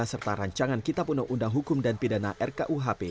serta rancangan kitab undang undang hukum dan pidana rkuhp